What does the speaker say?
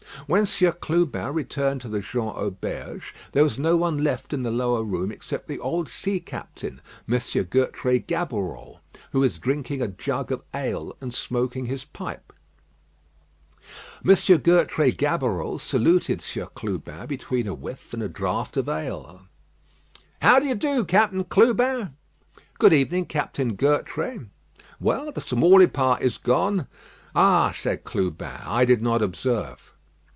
When Sieur Clubin returned to the Jean Auberge, there was no one left in the lower room except the old sea captain, M. Gertrais Gaboureau, who was drinking a jug of ale and smoking his pipe. M. Gertrais Gaboureau saluted Sieur Clubin between a whiff and a draught of ale. "How d'ye do, Captain Clubin?" "Good evening, Captain Gertrais." "Well, the Tamaulipas is gone." "Ah!" said Clubin, "I did not observe."